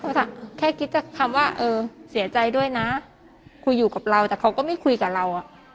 แค่คิดจากคำว่าเออเสียใจด้วยนะคุยอยู่กับเราแต่เขาก็ไม่คุยกับเราอ่ะ